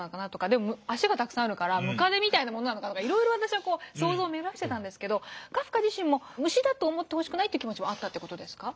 でも足がたくさんあるからムカデみたいなものなのかなとかいろいろ想像を巡らしてたんですけどカフカ自身も虫だと思ってほしくないという気持ちもあったんですか？